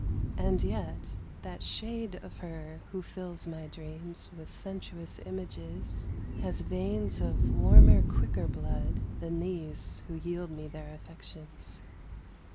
and yet that shade of her Who fills my dreams with sensuous images Has veins of warmer, quicker blood than these Who yield me their affections.